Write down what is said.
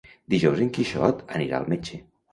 Dijous en Quixot anirà al metge.